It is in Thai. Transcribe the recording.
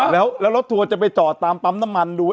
แล้วรถทัวร์จะไปจอดตามปั๊มน้ำมันดู